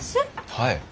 はい。